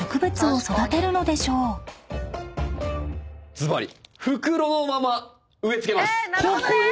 ずばり。